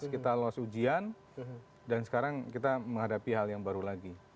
kita los ujian dan sekarang kita menghadapi hal yang baru lagi